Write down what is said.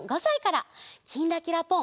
「きんらきらぽん」